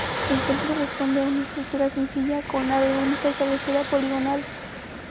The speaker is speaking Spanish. El templo responde a una estructura sencilla, con nave única y cabecera poligonal.